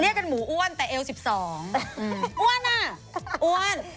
เรียกกันหมูอ้วนแต่เอว๑๒